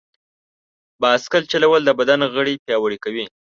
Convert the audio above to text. بایسکل چلول د بدن غړي پیاوړي کوي.